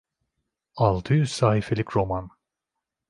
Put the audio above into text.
Altı yüz sahifelik roman…